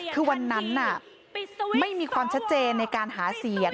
คือวันนั้นไม่มีความชัดเจนในการหาเสียง